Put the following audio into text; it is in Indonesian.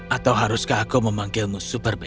atau haruskah aku memanggilmu super ben